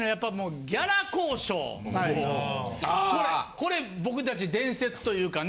これ僕たち伝説というかね